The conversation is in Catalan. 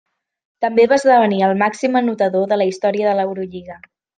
També va esdevenir el màxim anotador de la història de l'Eurolliga.